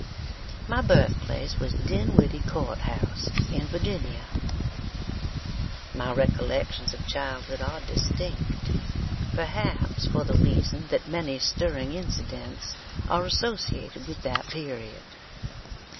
My birthplace was Dinwiddie Court House, in Virginia. My recollections of childhood are distinct, perhaps for the reason that many stirring incidents are associated with that period.